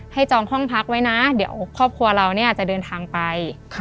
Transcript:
จองห้องพักไว้นะเดี๋ยวครอบครัวเราเนี่ยจะเดินทางไป